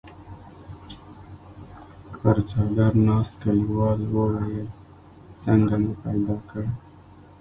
پر څادر ناست کليوال وويل: څنګه مو پيدا کړ؟